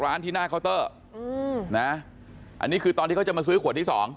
ร้านที่หน้าเคาเตอร์นะอันนี้คือตอนที่เขาจะมาซื้อขวดที่